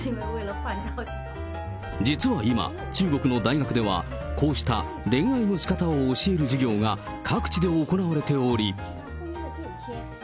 実は今、中国の大学では、こうした恋愛のしかたを教える授業が各地で行われており。